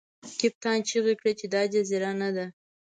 کپتان چیغې کړې چې دا جزیره نه ده.